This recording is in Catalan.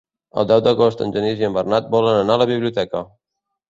El deu d'agost en Genís i en Bernat volen anar a la biblioteca.